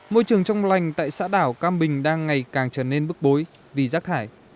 môi trường trong lành tại xã đảo cam bình đang ngày càng trở nên bức bối vì rác thải